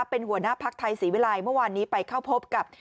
เป็นหัวหน้าภักดิ์ไทยศรีวิลัยเมื่อวานนี้ไปเข้าพบกับ